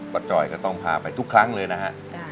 จอยก็ต้องพาไปทุกครั้งเลยนะฮะ